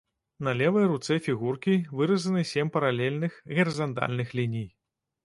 На левай руцэ фігуркі выразаны сем паралельных, гарызантальных ліній.